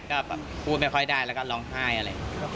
ก็แบบพูดไม่ค่อยได้แล้วก็ร้องไห้อะไรอย่างนี้